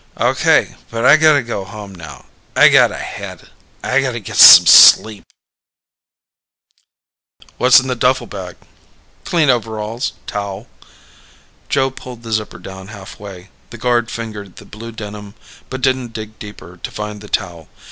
"Okay, but I gotta go home now. I got a head. I gotta get some sleep." "What's in the duffel bag?" "Clean overalls towel." Joe pulled the zipper down halfway. The guard fingered the blue denim but didn't dig deeper to find the towel.